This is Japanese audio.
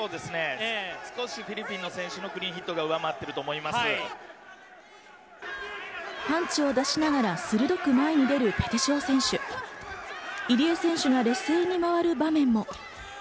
少しフィリピンの選手のクリーンヒットがパンチを出しながら鋭く前に出るペテシオ選手、入江選手が劣勢に回る場面も。